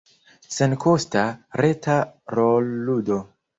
Senkosta, reta rolludo.